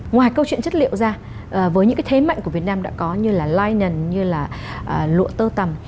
ngoài câu chuyện chất liệu ra với những cái thế mạnh của việt nam đã có như là lind như là lụa tơ tầm